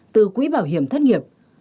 từ quỹ bảo hiểm thất nghiệp